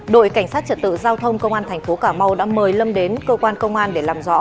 đội cảnh sát trật tự giao thông công an tp cm đã mời lâm đến cơ quan công an để làm rõ